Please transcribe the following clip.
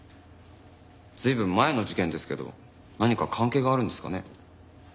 随分前の事件ですけど何か関係があるんですかね？